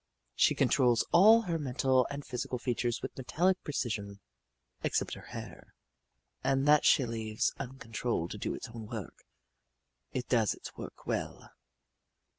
She controls all her mental and physical features with metallic precision except her hair, and that she leaves uncontrolled to do its own work. It does its work well.